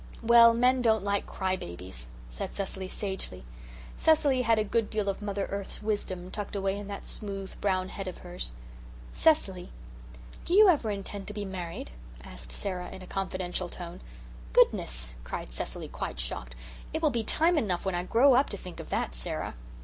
"Well, men don't like cry babies," said Cecily sagely. Cecily had a good deal of Mother Eve's wisdom tucked away in that smooth, brown head of hers. "Cecily, do you ever intend to be married?" asked Sara in a confidential tone. "Goodness!" cried Cecily, quite shocked. "It will be time enough when I grow up to think of that, Sara."